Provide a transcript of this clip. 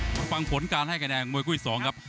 มาฟังผลการให้คะแนนมวยคู่อีก๒ครับ